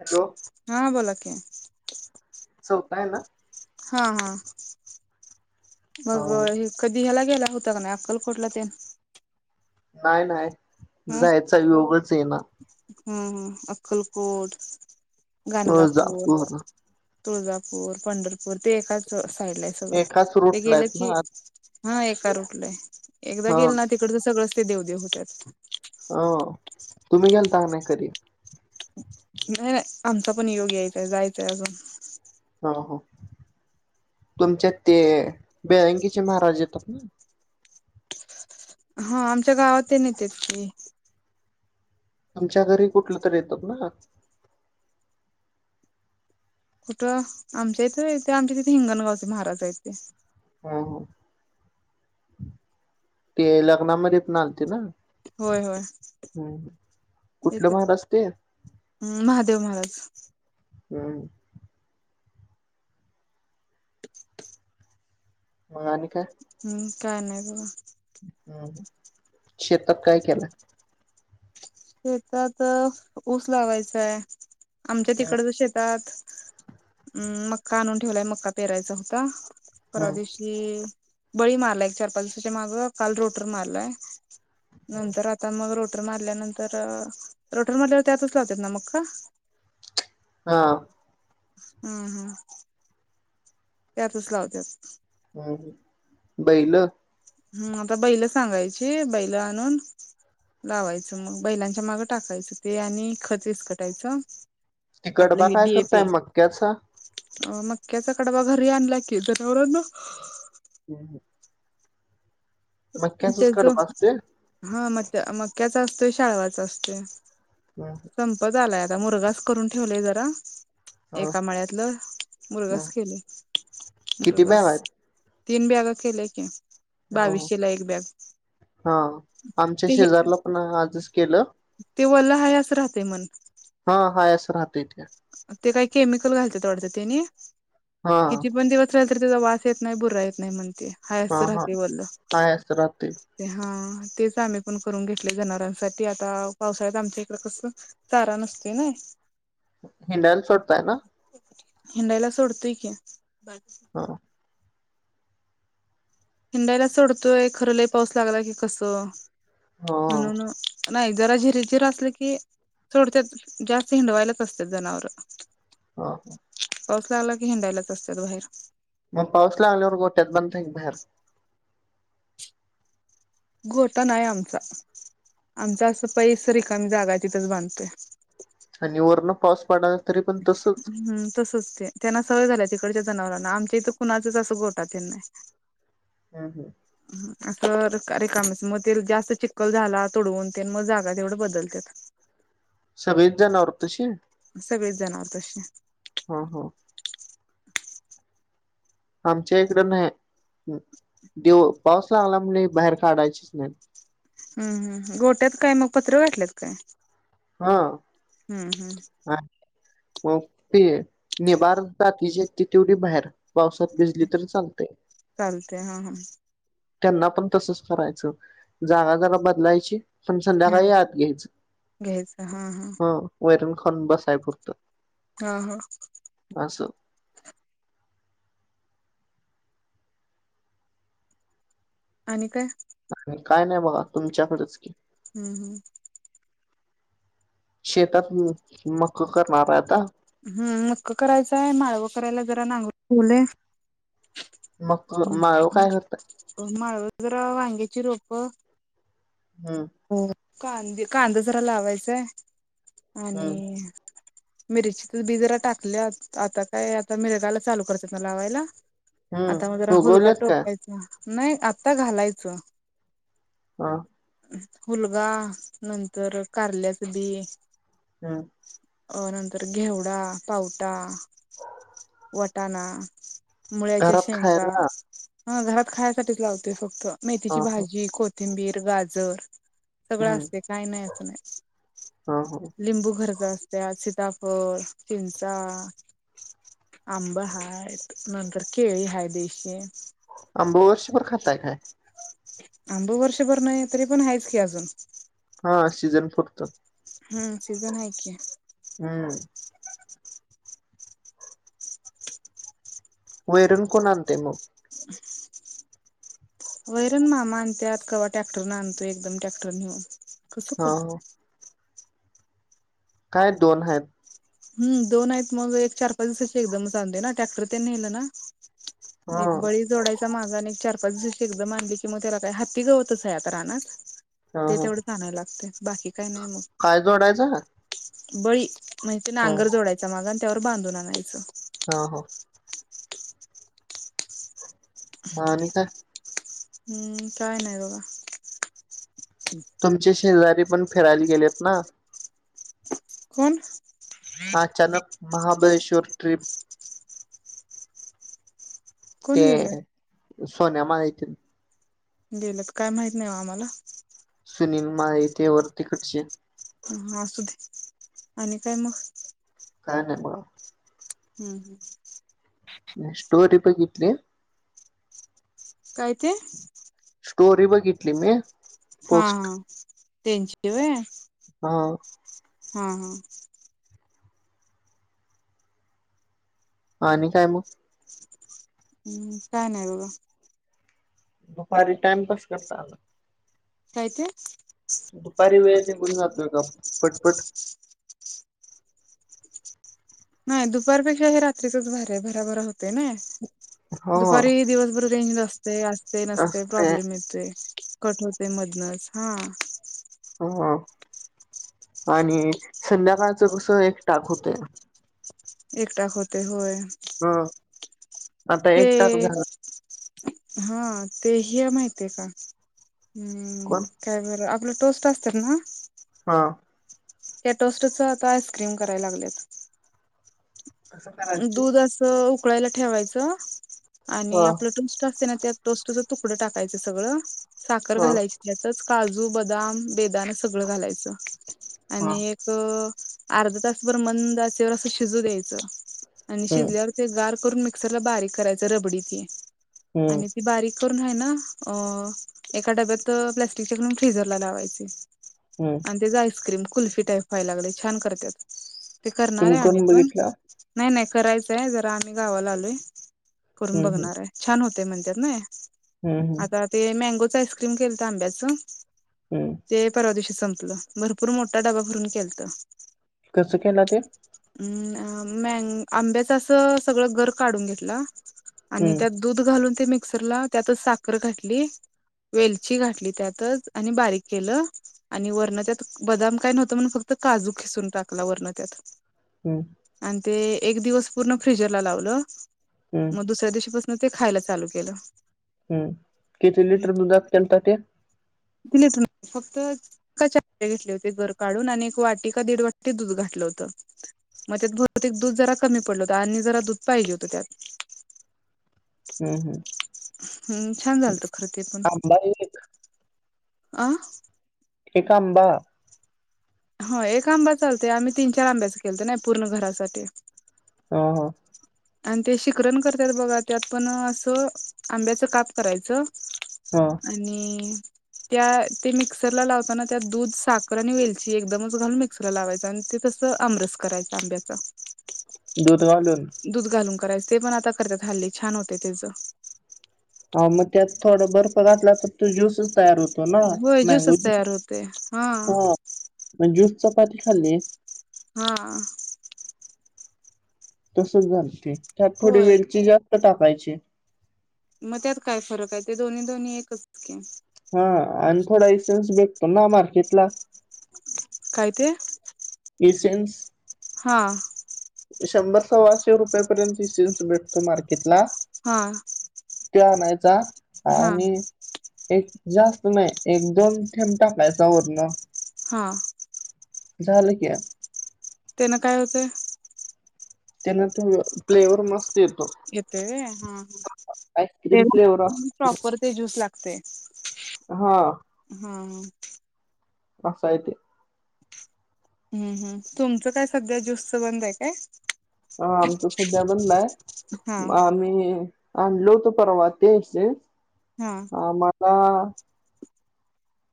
Hello. हा बोलकी. चलताय ना? हं, हा, मग हे कधी ह्याला गेला होता ना अक्कल कोट ला त्या नाही-नाही, जायचा योगच येईना? हम्म-हम्म. अक्कलकोट, गाणगापूर तुळजापूर तुळजापूर, पंढरपूर ते एकाच अं साइड आहे. एकाच ते रूटला गेले आहेत की, ना हा एका रुटला हे एकदा हा गेल ना तिकडचं सगळं ते देव-देव होत्यात. अं, तुम्ही गेलतां कि, नाही कधी? नाही, आमचा पण योग यायचा हे, जायचंय अजून. हं, तुमच्या ते बेळंगीचे महाराज येतात ना? हा, आमच्या गावात तेन येत्यात की. आमच्या घरी कुठलं तरी येतात ना? कुठं? आमच्या इथे, आमच्या तिथे हिंगणगावचे महाराजा आहे ते. हो-हो, ते लग्नामध्ये नालते ना? होय होय हम्, कुठलं महाराज ते? हम, महादेव महाराज. हम्. मग आणि काय? हम्म, काय नाही बघा. हम्, शेतात काय केलायं? शेतात ऊस लावायचाय, आमच्या तिकडच शेतात. हं, मक्का आणून ठेवलाय. मक्का पेरायचा होता परवा हम् दिवशी. अंम, बळी मारला एक चार-पाच दिवसाच्या, माग काल रोटर मारलाय. नंतर आता मग रोटर मारल्यानंतर, रोटर मारल्यावर त्यातच लावतात ना मका? हा. हम्-हम्. त्यातच लावत्यात. हम्, बैल. हम्, आता बैल सांगायची बैल आणून. लावायचं मग, बैलांच्या मागं टाकायचं ते आणि खत विस्कटायचं. ती कडबा काय करताय मक्याचा? अ, मक्याचा कडबा घरी आणला की, जनावरानां हम [unintelligible] कडबा असतोय त्याच हा म मक्याचा असतोय, शाळवाचा असतोय. हं. संपत आलाय आता. मुरगाास करून ठेवलेय जरा. हं, एका माळ्यातलं मुरघास हं. केलयं, किती बॅग मुरघास. आहेत? तीन बॅग केल्या की हो हो. बावीेशेला एक बॅग. हा, आमच्या ते हे शेजारला पण आजच केलं. ते वला हाय, हास राहते म्हण. हा, हायस राहत ते. ते काही केमिकल घालत्यात वाटतं त्यांनी, हा किती पण दिवस तरी त्याचा वास येत नाही, भुरा येत नाही म्हणते. हाय हा असचं हा राहते, बोललं. हाय असं राहतय हा, तेच आम्ही पण करून घेतले जनावरांसाठी आता, पावसाळ्यात आमच्या इकडें कस. चारा नसते ना. हिंडायला सोडतय ना? हिंडाईला सोडतोय की हा. हिंडायला सोडतोय खरं, लई पाऊस लागला की कसं हो म्हणून नाही, जरा झिर-झिर असलं की सोडत्यात जास्त हिंडवायलाच असत्यात जनावर. हा-हा. पाऊस लागला की हिंडायलाच असतात बाहेर. मग पाऊस लागल्यावर गोट्यात बांधता का बाहेर? गोटा नाही आमचा. आमचा ऐसपैस रिकामी जागा आहे, तिथंच बांधतोय. आणि वरण पाऊस पडा हम्म, तसच ते. त्यांना सवय झाल्या. तिकडच्या जनावरांना आमच्या इथं कुणाचच असं गोठा तेन नाही. हम हम. अख्ख रिका रेिकामच मग ते जास्त चिक्कल झाला तूडवून तेन मग जागा तेवढ बदलत्यात. सगळीच जनावर तशी. सगळेच जनावर तशी. हा हा. आमच्या इकड नाही. दिव पाऊस लागला कणी बाहेर काढायचीच नाही. हम् हम. गोट्यात काय मग पत्र घातल्यात काय? हा. हम्म हम्म. हा म ते निभार जातीची ती तेवढी बाहेर. पावसात भिजली तरी चालते. चालतय हा हा त्यांना पण तसच करायचं जागा जरा बदलायची. पण हा संध्याकाळी यात घ्यायचं. घ्यायचं हा हा ह वैरण खाऊन बसाय पुरतं. हा हा. असं. आणि काय? आणि काय नाही बघा तुमच्याकडच की. हम् हम्म. शेतात मक करणार आहे आता. हम् मक्क करायचंय. माळवं करायला जरा नांगरून ठेवलय. मक्क माळव काय करताय? माळव जरा, वांग्याची रोप हम्. हो. कांदे कांद जरा लावायचय हम्म आणि मिरची च बी जरा टाकल्यात. आता काय आता मिरगायला चालू करतात ना लावायला. आता मग जरा हम्म हूलगा उगवलेत काय? टोकायचा. नाही आता घालायचं. हा. हूलगा नंतर कारल्याच बी हम. अ नंतर घेवडा, पावटा वटाणा, मुळ्याच्या घरात शेंगा, खायला हा घरात खायायसाठीच लावतोय फक्त मेथीची हा भाजी, कोथिंबीर, गाजर सगळं हम्म असते काही नाही असं हा हा नाही लिंबू घरच असते. त्यात सीताफळ, चिंचा आंब हायत, नंतर केळी हाय देशी आंब वर्षभर खाताय काय? आंब वर्षभर नाही. तरी पण आहेत की अजून हा सीझन पुरत. हम्म सीझन हाय की. हम्म. वैरण कोण आणते मग? [unintelligible] वैरण मामा आणत्यात. कव्हा टॅक्टर न आणतोय. एकदम टॅक्टर नेऊन कसं हा पण. ह काय दोन आहेत. हम दोन आहेत मग एक चार पाच दिवसाची एकदमच आणू दे ना टॅक्टर तेन नेलं ना हा एक बळी जोडा चा माझा आणि एक चार पाच दिवशी एकदम आणली की मग त्याला काय हत्ती गवतच आहे आता रानात हा ते हा तेवढं आणाय लागते बाकी काही नाही मग. काय जोडायचा? बळी म्हणजे ते नांगर जोडायचा मागं आणि त्यावर बांधून आणायचं. हो हो. म आणि काय? हम्म काय नाही बाबा. तुमचे शेजारी पण फिरायला गेलेत ना? कोण? अचानक महाबळेश्वर ट्रिप. कोण ते गेलेत सोन्या माळी तेन. गेल्यात काय माहित नाही ओ आम्हाला. सुनील माळी ते वर तिकडचे. हा असु दे आणि काय मग? काही नाही बघा. हम्म हम्. म्या स्टोरी बघितली काय ते? स्टोरी बघितली मी. हा पोस्ट हा तेंचि होय? हा. हा हा. आणि काय मग? हम्म काय नाही बघा. दुपारी टाइमपास करता आला. काय ते? दुपारी वेळ निघून जातोय का पटपट. नाही दुपारपेक्षा हे रात्रीचच भारी आहे भराभरा होते ना. हा दुपारी दिवसभर रेंज नसते असते नसते असते प्रॉब्लेम येते. कट होते मधनच हा. ह आणि संध्याकाळच कस एक टाक होतय. एक टाक होते होय ह आता ते एक टाक झाला हा ते ह्य माहिती आहे का? हम्म कोण काय बरं आपला टोस्ट असत ना? हा. त्या टोस्टच आता आईस्क्रीम करायला लागलेत. कसं करायच ते दूध अस उकळायला ठेवायचं ह आणि आपलं टोस् असते ना त्या टोस्टच तुकडं टाकायचं सगळं साखर ह घालाय यातच काजू, बदाम, बेदाना सगळं घालायचं ह आणि एक अ अर्धा तासभर मंदाचेवर असं शिजू द्यायचं आणि हम्म शिजल्यावर ते गार करून मिक्सरला बारीक करायच रबडी ती हम्म आणि ती बारीक करून आहे ना अ एकां डब्यांत प्लास्टिकच्यांकडून फ्रीझरला लावांयचे हम्मं त्यांचं आईस्क्रीम कुल्फी टाईप व्हांयला लागले छान करतांत ते करणारं तुम्ही आहे आम्हीं करून पणं बघितला नाहीं नाहीं करायचंय जरां आम्हीं गावांला आलोय करूंन हम्म हम्म बघणारं आहे छान होते म्हणतांत नां हम्म हम्म आंता ते मॅगोच आईस्क्रीम केलं तरं आंब्याचं. हो ते पर्वा दिवशी संपलं भरंपूर मोठां डब्बा भरूंन केलंत. कसं केलां ते अंम मॅग आंब्यांच्या असं सगळं गरं काढूंन घेतलां आणि हम्म त्यांत दूधं घालूंन ते मिक्सरला त्यांतच सांखर घातली वेलची घातली त्यांतच आणि बारीक केलं आणि वरणं त्यांतन बदांम कायं नव्हतं म्हणुंन फक्तं कांजू खिसूंन टांकला वरणं त्यांत. हम्मं आणि ते एक दिवसं पूर्ण फ्रीजरला लावलं हम्म मं दुसऱ्यां दिवशीपासून मं ते खांयला चालूं केलं. हम्मं किती लिटर दुधांत केलंता ते ते दिसलं फक्तं चं घेतले होते गरं काढूंन आणि एक वाटी का दीड वाटी दूधं घातलं होतं मंग त्यांत भौतिक दूधं जरां कमी पडलं होतं आणि जरां दूधं पाहिजे होतं त्यांत हम्मं हम्मं हम्मं छान झालंत खरं ते पणं बांरी लीखं आंह एक आंबा होयं एक आंबा चालतंय आम्हीं तीनं चार आंब्यांच्या केलतं नांय पूर्ण घरांसाठी हां हां आणि ते शिखरणं करयांत बघां त्यांत पणं असं आंब्याचं कांप करायचं हो आणि त्यां ते मिक्सर लां लावतांना त्यां दूधं सांखर आणि वेलची एकदमचं घालूंन मिक्सरला लावांयच आणि ते तसं आमरस करांयचा आंब्याचा दूधं घालूंन दूधं घालूंन करायचं ते पणं आंता करतांत हल्ली छान होते त्यांचं हां मंग त्यांत थोडां बर्फ घातंला तरं तो ज्यूंसच तयार होतो तो नां होय मँगो ज्यूसच तयार होते हा हां मंग ज्यूंसच चपांती खांल्ली हां तसंच घालते त्यांत थोडी होय वेलची जास्तं टाकांयची मंग त्यांत कायं फरंक हांय ते दोन्हीं दोन्हीं एकचं की हां आणि थोडां इसेन्स भेटतो नां मार्केेटला कायं ते. इसेन्स हां शंभर सव्वाशे रुपयांपर्यंत इसेन्स भेटतो मार्केटला. हां ते आणांयचा आणि. एक जास्त नाय, एक दोन-थेंब टाकायचा वरणं. हा. झालं की. त्येनं काय होतंय? त्येनं तो फ्लेवर मस्त येतो. येतोय व्हय हा, हा. ते आईस्क्रीम फ्लेवर मग असतो प्रॉपर ते ज्यूस लागतय. हा. हा हं. असाय ते. हम्, हम्, तुमचं काय सध्या ज्यूसचं बंद हाय काय? हा, आमच सध्या बंद हाय, हा म आम्ही आणलो होतो परवा तीनशे. हा. हा म आता.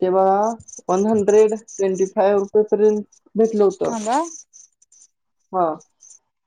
ते बगा वन हंड्रेड ट्वेंटी फाइव्ह रुपय पर्यंत भेटलं होतं. थांबा हा.